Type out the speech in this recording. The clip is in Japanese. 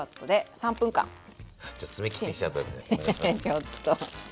ちょっと。